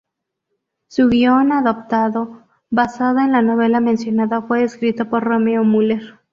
Su guion adaptado, basado en la novela mencionada, fue escrito por Romeo Muller.